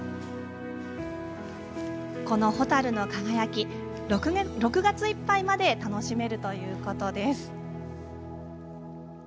この蛍の輝き、６月いっぱいまで楽しめるそうです。